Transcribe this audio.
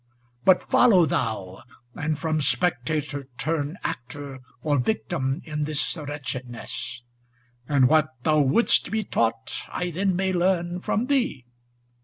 But follow thou, and from spectator turn Actor or victim in this wretchedness; * And what thou wouldst be taught I then may learn From thee.